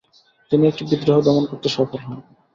তিনি একটি বিদ্রোহ দমন করতে সফল হন।